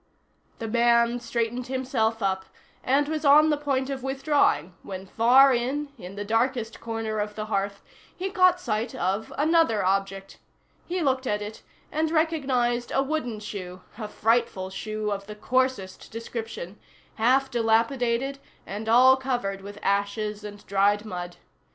The man straightened himself up, and was on the point of withdrawing, when far in, in the darkest corner of the hearth, he caught sight of another object. He looked at it, and recognized a wooden shoe, a frightful shoe of the coarsest description, half dilapidated and all covered with ashes and dried mud.